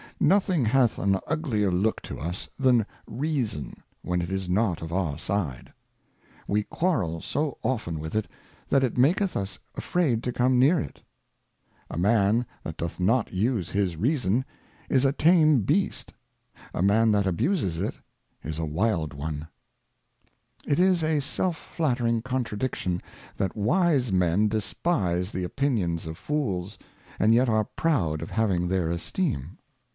Nothing hath an uglier Look to us than Reason, when it is not of our side. We quarrel so often with it, that it maketh us afraid to come near it. A Man that doth not use his Reason, is a tame Beast ; a Man that abuses it, is a wild one. Reputa IT is a self flattering Contradiction, that wise Men despise the Opinion'of Fools, and yet are proud of having their Esteem.